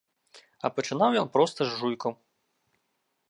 А пачынаў ён проста з жуйкаў.